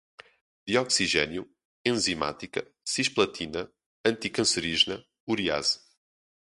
dioxigênio, enzimática, cisplatina, anticancerígena, urease